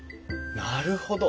なるほど。